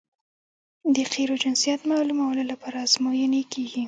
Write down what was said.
د قیرو جنسیت معلومولو لپاره ازموینې کیږي